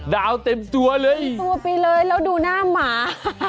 ดาวเต็มตัวเลยเต็มตัวไปเลยแล้วดูหน้าหมา